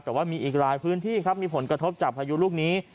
แต่ว่ามีอีกหลายพื้นที่ครับมีผลกระทบจากพายุลูกนี้